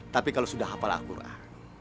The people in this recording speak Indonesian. tapi kalau sudah hafal al quran